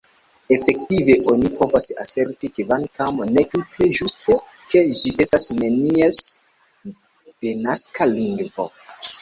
Efektive, oni povas aserti, kvankam ne tute ĝuste, ke ĝi estas nenies denaska lingvo.